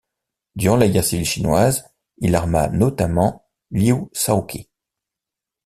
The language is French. Durant la guerre civile chinoise, il arma notamment Liu Shaoqi.